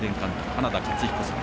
花田勝彦さん。